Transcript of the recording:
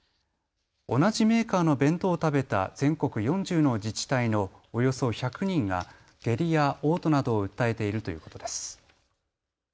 同じメーカーの弁当を食べた全国４０の自治体のおよそ１００人が下痢やおう吐などを訴えているということです。